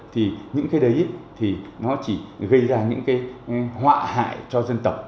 thì những cái đấy thì nó chỉ gây ra những cái họa hại cho dân tộc